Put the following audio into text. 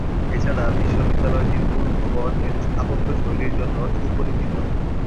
এছাড়া বিশ্ববিদ্যালয়টির মূল ভবন এর স্থাপত্যশৈলীর জন্য সুপরিচিত।